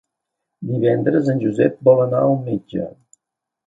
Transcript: Divendres en Josep vol anar al metge.